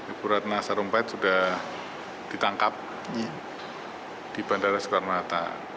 ibu ratna sarumpait sudah ditangkap di bandara sekolah renata